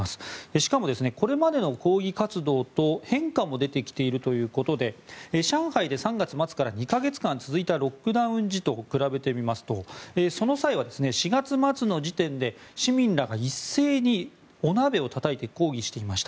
しかも、これまでの抗議活動と変化も出てきているということで上海で３月末から２か月間続いたロックダウン時と比べてみますとその際は４月末の時点で市民らが一斉にお鍋をたたいて抗議をしていました。